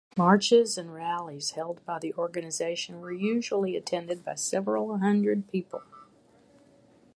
Marches and rallies held by the organization were usually attended by several hundred people.